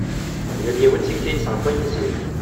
Yal yiwen tikti-ines ɣef wayen iselmad.